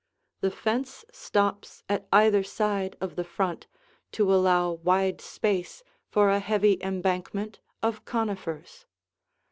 The fence stops at either side of the front to allow wide space for a heavy embankment of conifers.